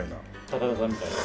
高田さんみたいな。